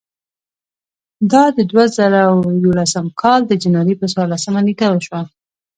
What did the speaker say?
دا د دوه زره یولسم کال د جنورۍ پر څوارلسمه نېټه وشوه.